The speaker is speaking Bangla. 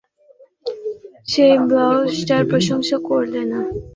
যেই ব্লাউজটার প্রশংসা করলে না?